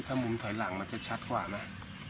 แบบนี้โทยหลังก็จะชัดกว่าแน่ะ